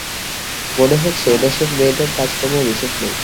মনে হচ্ছে এ দেশের মেয়েদের কাজকর্ম বিশেষ নেই।